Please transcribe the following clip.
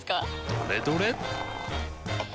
どれどれっ！